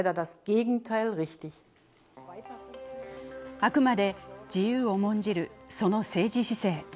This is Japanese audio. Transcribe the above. あくまで自由を重んじる、その政治姿勢。